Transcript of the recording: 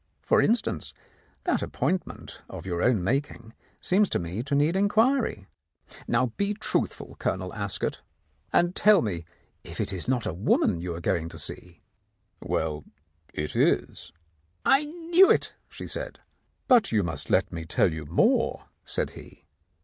For instance, that appointment of your own making seems to me to need inquiry. Now be truthful, Colonel Ascot, 16 The Countess of Lowndes Square and tell me if it is not a woman you are going to see?" "Well, it is." "I knew it," she said. "But you must let me tell you more," said he.